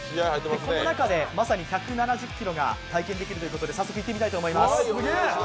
この中でまさに１７０キロが体験できるということで、早速行ってみたいと思います。